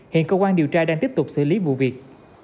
hiện công an điều tra đang tiếp tục xử lý vụ việc